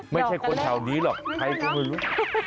ไม่ใช่คนแถวนี้หรอกใครก็ไม่รู้